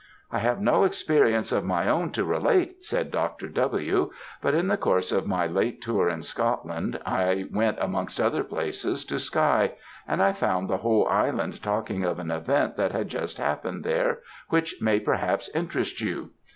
"I have no experience of my own to relate," said Dr. W., "but in the course of my late tour in Scotland, I went amongst other places to Skye, and I found the whole island talking of an event that had just happened there, which may perhaps interest you.